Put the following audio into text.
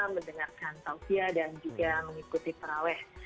mendengarkan tausia dan juga mengikuti paraweh